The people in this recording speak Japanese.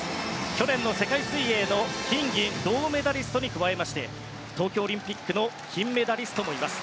去年の世界水泳の金銀銅メダリストに加えまして東京オリンピックの金メダリストもいます。